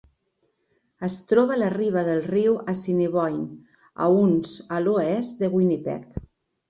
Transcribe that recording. Es troba a la riba del riu Assiniboine, a uns a l'oest de Winnipeg.